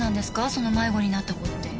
その迷子になった子って。